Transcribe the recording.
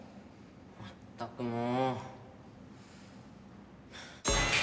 まったくもう。